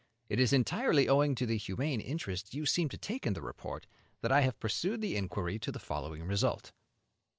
It is entirely owing to the humane interest you seemed to take in the report, that I have pursued the inquiry to the following result.